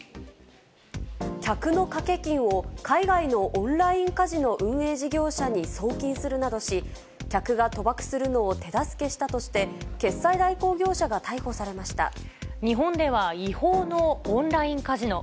客の賭け金を海外のオンラインカジノ運営事業者に送金するなどし、客が賭博するのを手助けしたとして、決済代行業者が逮捕されまし日本では違法のオンラインカジノ。